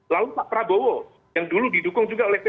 lalu pak prabowo yang dulu didukung juga oleh p tiga